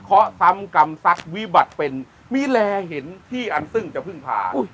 ซ้ำกรรมซักวิบัติเป็นมีแลเห็นที่อันซึ่งจะพึ่งพา